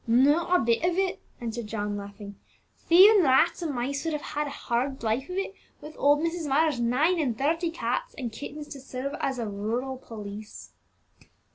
"Not a bit of it," answered John, laughing. "Thieving rats and mice would have had a hard life of it with old Mrs. Myers' nine and thirty cats and kittens to serve as a rural police."